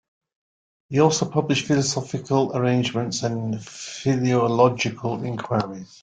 He also published "Philosophical Arrangements" and "Philological Inquiries".